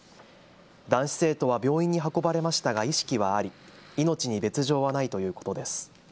男子生徒は病院に運ばれましたが意識はあり命に別状はないということです。